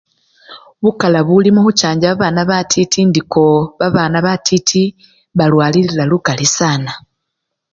Bukala buli mukhuchanjja babana batiti indi koo babana batiti balwalilila lukali sana.